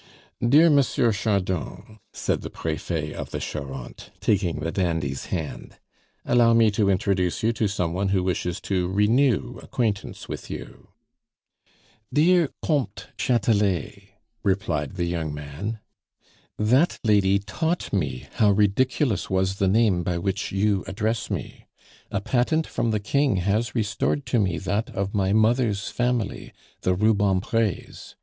"Dear Monsieur Chardon," said the Prefet of the Charente, taking the dandy's hand, "allow me to introduce you to some one who wishes to renew acquaintance with you " "Dear Comte Chatelet," replied the young man, "that lady taught me how ridiculous was the name by which you address me. A patent from the king has restored to me that of my mother's family the Rubempres.